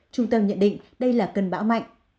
trung tâm nhận định đây là cơn bão mạnh